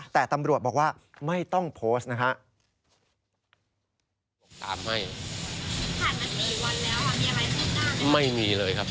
แต่ตำรวจบอกว่าไม่ต้องโพสต์นะฮะ